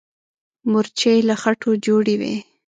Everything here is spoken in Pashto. مورچې له خټو جوړې وي.